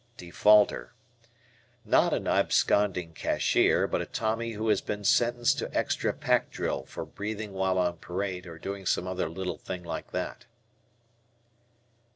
Defaulter. Not an absconding cashier, but a Tommy who has been sentenced to extra pack drill for breathing while on parade or doing some other little thing like that.